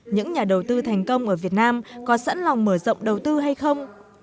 những nhà đầu tư thành công ở việt nam có sẵn lòng mở rộng đầu tư hay không